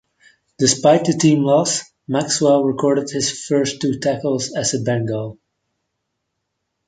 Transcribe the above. Despite the team loss, Maxwell recorded his first two tackles as a Bengal.